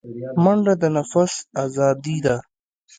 منډه د نفس آزادي ده